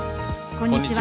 こんにちは。